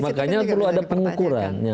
makanya perlu ada pengukuran